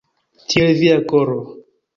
Tiel via koro!